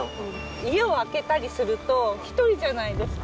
家を空けたりすると、１人じゃないですか。